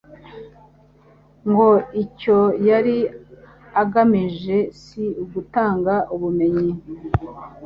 ngo icyo yari agamije si ugutanga ubumenyi